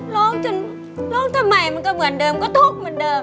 ร้องจนร้องทำไมมันก็เหมือนเดิมก็ทุกข์เหมือนเดิม